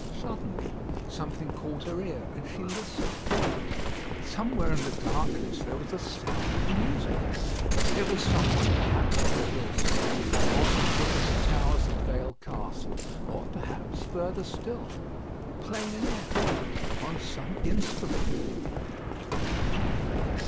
Suddenly, something caught her ear, and she listened. Somewhere in the darkness there was a sound of music. It was some one, perhaps, on the hill side, or at the foot of the towers of Vale Castle, or, perhaps, further still, playing an air upon some instrument.